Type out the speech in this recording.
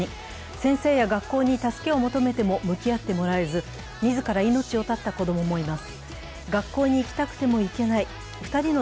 先生や学校に助けを求めても向き合ってもらえず、自ら命を絶った子供もいます。